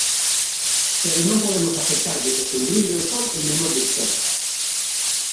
Pero non podemos aceptarlles o seu brinde ao sol en memoria histórica.